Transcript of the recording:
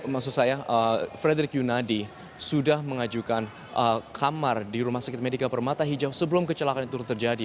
maksud saya frederick yunadi sudah mengajukan kamar di rumah sakit medika permata hijau sebelum kecelakaan itu terjadi